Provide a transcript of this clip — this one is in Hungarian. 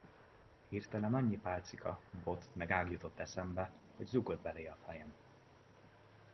Hirtelen annyi pálcika, bot meg ág jutott eszembe, hogy zúgott belé a fejem.